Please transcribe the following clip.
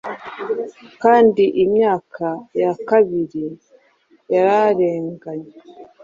Kandi Imyaka ya kabiri yararenganye,